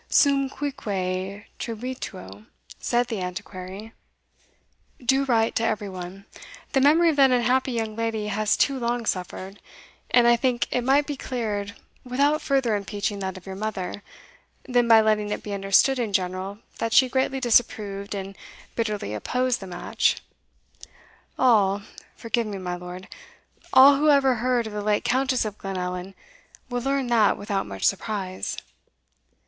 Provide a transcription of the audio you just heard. "Suum cuique tribuito," said the Antiquary; "do right to everyone. The memory of that unhappy young lady has too long suffered, and I think it might be cleared without further impeaching that of your mother, than by letting it be understood in general that she greatly disapproved and bitterly opposed the match. All forgive me, my lord all who ever heard of the late Countess of Glenallan, will learn that without much surprise."